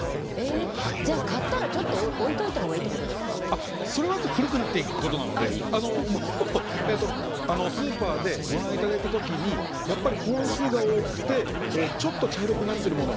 じゃあ買ったらちょっと置いておいたほうがそれは古くなっていくことなのでスーパーで、ご覧いただいた時本数が多くてちょっと茶色くなってるもの。